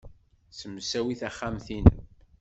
Ssemsawi taxxamt-nnem.